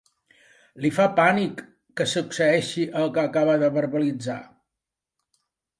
Li fa pànic que succeeixi el que acaba de verbalitzar.